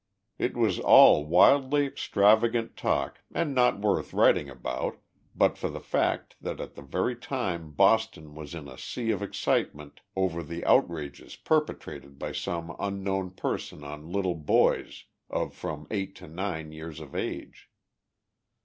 It was all wildly extravagant talk and not worth writing about but for the fact that at that very time Boston was in a sea THE LIFE OF JESSE HARDIXG POMEROY. of excitement over the outrages perpetrated by some unknown person on little boys of from S to 9 years of age.